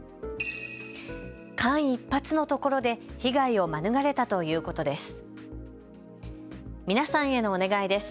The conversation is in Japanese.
間一髪のところで被害を免れたということです。